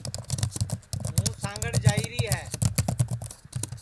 ہوں سانٚگھڑ جائیری ہے